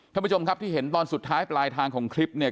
ท่านผู้ชมครับที่เห็นตอนสุดท้ายปลายทางของคลิปเนี่ย